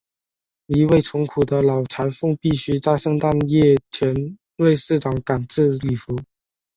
一位穷苦的老裁缝必须在圣诞夜前为市长赶制礼服。